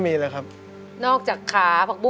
เพลงที่๑มูลค่า๑๐๐๐๐บาท